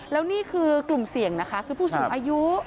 แล้วนี่คือกลุ่มเสี่ยงนะคะคือผู้สูงอายุ